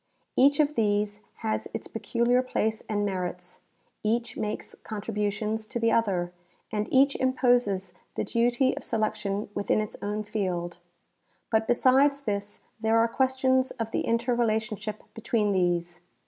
Each of these has its pecuUar place and merits, each makes contributions to the other, and each imposes the duty of selection within its own field. But besides this there are questions of the inter relationship between these.